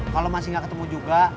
kalau masih nggak ketemu juga